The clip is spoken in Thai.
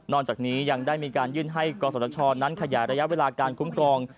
จากนี้ยังได้มีการยื่นให้กศชนั้นขยายระยะเวลาการคุ้มครอง